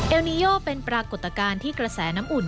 นิโยเป็นปรากฏการณ์ที่กระแสน้ำอุ่น